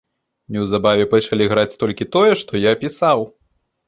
Неўзабаве пачалі граць толькі тое, што я пісаў.